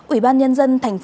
ủy ban nhân dân tp hà nội